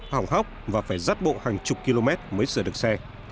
hỏng hóc và phải rắt bộ hàng chục km mới sửa được xe